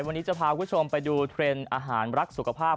วันนี้จะพาคุณผู้ชมไปดูเทรนด์อาหารรักสุขภาพ